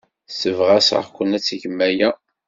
Ssebɣaseɣ-ken ad tgem aya.